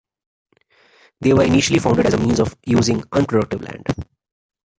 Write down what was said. They were initially founded as a means of using unproductive land.